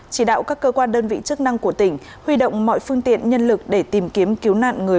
chỉ đạo các cơ quan đơn vị chức năng của tỉnh huy động mọi phương tiện nhân lực để tìm kiếm cứu nạn người